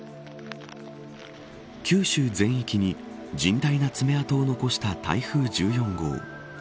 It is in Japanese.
九州全域に甚大な爪痕を残した台風１４号。